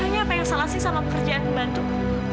akhirnya apa yang salah sih sama pekerjaan pembantuku